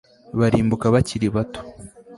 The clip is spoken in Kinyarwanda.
barimbuka bakiri bato